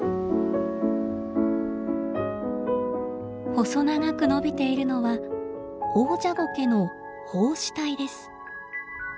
細長く伸びているのはオオジャゴケの胞子体です。